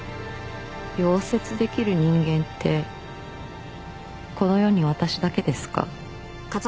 溶接できる人間ってこの世に私だけですか？